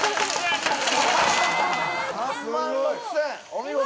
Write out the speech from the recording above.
お見事！